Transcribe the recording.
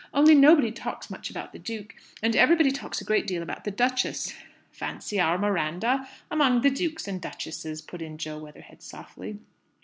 Only nobody talks much about the duke, and everybody talks a great deal about the duchess." ("Fancy our Miranda among the dukes and duchesses!" put in Jo Weatherhead, softly.